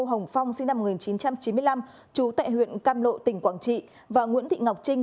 hồng phong sinh năm một nghìn chín trăm chín mươi năm trú tại huyện cam lộ tỉnh quảng trị và nguyễn thị ngọc trinh